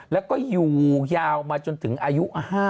แล้วก็อยู่ยาวมาจนถึงอายุ๕๐